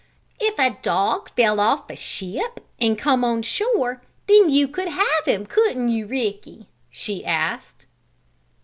"If a dog fell off a ship and come on shore then you could have him; couldn't you, Ricky?" she asked.